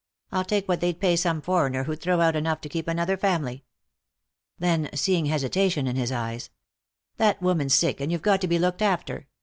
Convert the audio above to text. I'll take what they'd pay some foreigner who'd throw out enough to keep another family." Then, seeing hesitation in his eyes: "That woman's sick, and you've got to be looked after.